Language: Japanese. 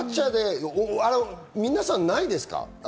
皆さん、ないですか？